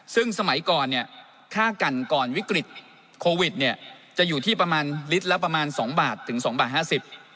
ซึ่งสมัยก่อนเนี่ยค่ากันก่อนวิกฤตโควิดเนี่ยจะอยู่ที่ประมาณลิตรละประมาณสองบาทถึงสองบาทห้าสิบ